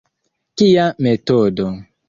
Kia metodo!